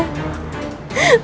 aku mohon ayah handa